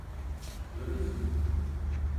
Alır mısın?